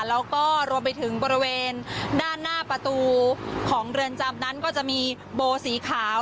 แล้วก็รวมไปถึงบริเวณด้านหน้าประตูของเรือนจำนั้นก็จะมีโบสีขาว